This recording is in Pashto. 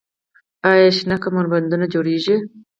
آیا شنه کمربندونه جوړیږي؟